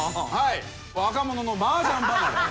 若者のマージャン離れ。